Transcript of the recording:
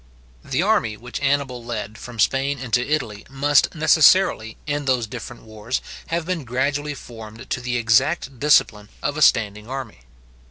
The army which Annibal led from Spain into Italy must necessarily, in those different wars, have been gradually formed to the exact discipline of a standing army.